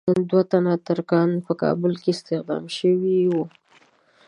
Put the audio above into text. دوه تنه ترکان په کابل کې استخدام شوي وو.